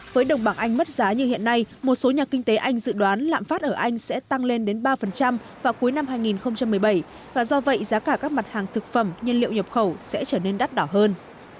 với đồng bảng anh mất giá như hiện nay một số nhà kinh tế anh dự đoán lạm phát ở anh sẽ tăng lên đến ba vào cuối năm hai nghìn một mươi bảy và do vậy giá cả các mặt hàng thực phẩm nhiên liệu nhập khẩu sẽ trở nên đắt đỏ hơn